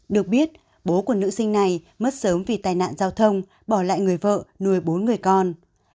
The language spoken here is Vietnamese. được biết bố của nữ sinh này mất sớm vì tai nạn giao thông bỏ lại người vợ nuôi bốn người con